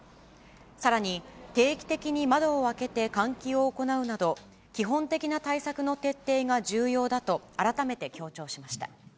さらに、定期的に窓を開けて換気を行うなど、基本的な対策の徹底が重要だと、改めて強調しました。